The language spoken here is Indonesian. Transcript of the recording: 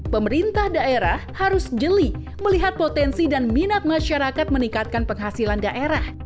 pemerintah daerah harus jeli melihat potensi dan minat masyarakat meningkatkan penghasilan daerah